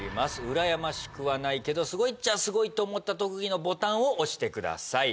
うらやましくはないけどスゴいっちゃあスゴいと思った特技のボタンを押してください